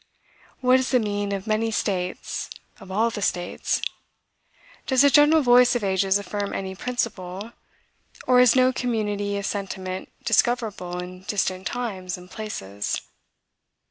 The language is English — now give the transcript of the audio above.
What is the mean of many states; of all the states? Does the general voice of ages affirm any principle, or is no community of sentiment discoverable in distant times and places?